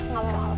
oke jangan kok